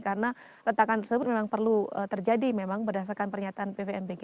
karena retakan tersebut memang perlu terjadi memang berdasarkan pernyataan bvmbg